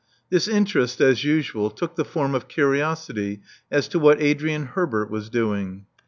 This interest, as usual, took the form of curiosity as to what Adrian Herbert was doing.